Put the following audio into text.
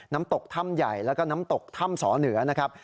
น้ำตกถ้ำใหญ่แล้วก็น้ำตกถ้ำสอเหนือนะครับ